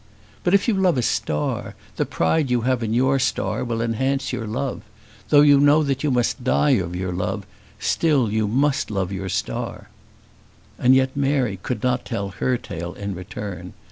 But if you love a star, the pride you have in your star will enhance your love. Though you know that you must die of your love, still you must love your star." And yet Mary could not tell her tale in return.